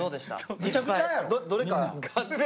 むちゃくちゃやろみんな。